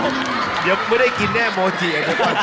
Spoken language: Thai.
เดี๋ยวไม่ได้กินแน่โมทิเนี่ย